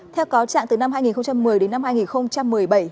theo cáo trạng từ năm hai nghìn một mươi đến năm hai nghìn một mươi bảy